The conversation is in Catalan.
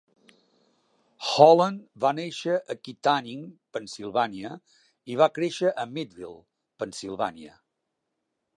Holland va néixer a Kittanning, Pennsilvània i va créixer a Meadville, Pennsilvània.